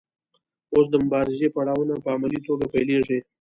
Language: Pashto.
اوس د مبارزې پړاوونه په عملي توګه پیلیږي.